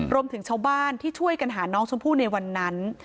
รวมถึงชาวบ้านที่ช่วยกันหาน้องชมพู่ในวันนั้น